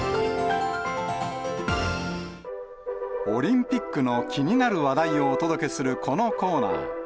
オリンピックの気になる話題をお届けするこのコーナー。